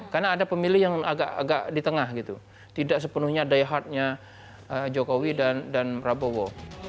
karena ada pemilih yang agak di tengah tidak sepenuhnya daya hatnya jokowi dan prabowo